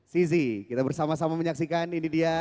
sisi kita bersama sama menyaksikan ini dia